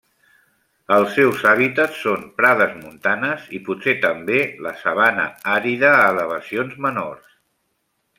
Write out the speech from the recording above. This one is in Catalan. Els seus hàbitats són prades montanes, i potser també la sabana àrida a elevacions menors.